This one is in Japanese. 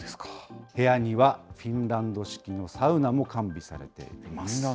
部屋にはフィンランド式のサウナも完備されています。